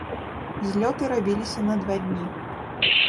Злёты рабіліся на два дні.